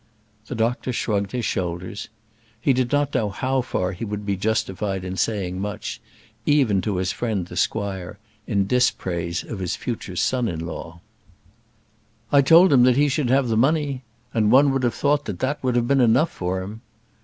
The doctor shrugged his shoulders. He did not know how far he would be justified in saying much, even to his friend the squire, in dispraise of his future son in law. "I told him that he should have the money; and one would have thought that that would have been enough for him.